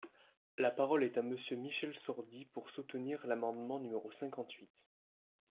La parole est à Monsieur Michel Sordi, pour soutenir l’amendement numéro cinquante-huit.